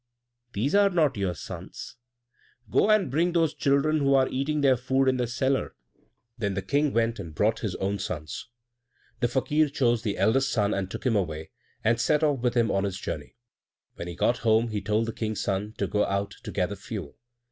these are not your sons; go and bring those children who are eating their food in the cellar." Then the King went and brought his own sons. The Fakir chose the eldest son and took him away, and set off with him on his journey. When he got home he told the King's son to go out to gather fuel.